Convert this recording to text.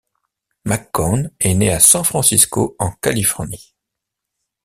McCone est né à San Francisco en Californie.